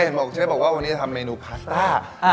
เชฟบอกว่าวันนี้จะทำเมนูพาสต้า